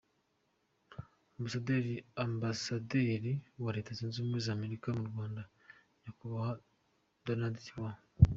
Ambasaderi wa Leta Zunze Ubumwe za Amerika mu Rwanda, nyakubahwa Donadi wa.